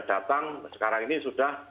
datang sekarang ini sudah